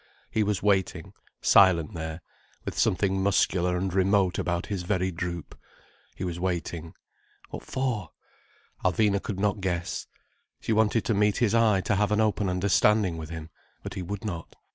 He was waiting: silent there, with something muscular and remote about his very droop, he was waiting. What for? Alvina could not guess. She wanted to meet his eye, to have an open understanding with him. But he would not.